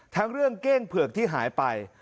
ทั้งเรื่องเก้งเผือกที่หายไป